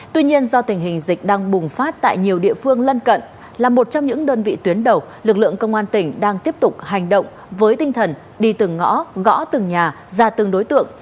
tuy nhiên do tình hình dịch đang bùng phát tại nhiều địa phương lân cận là một trong những đơn vị tuyến đầu lực lượng công an tỉnh đang tiếp tục hành động với tinh thần đi từng ngõ gõ từng nhà ra từng đối tượng